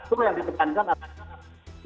itu yang ditekankan adalah